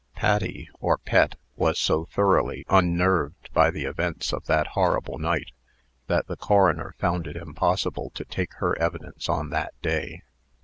Patty, or Pet, was so thoroughly unnerved by the events of that horrible night, that the coroner found it impossible to take her evidence on that day.